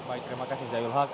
baik terima kasih zayul haq